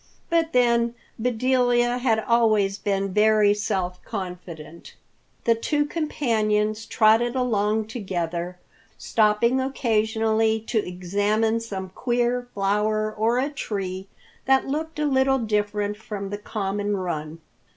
But then Bedelia had always been very self confident. The two companions trotted along together, stopping occasionally to examine some queer flower or a tree that looked a little different from the common run.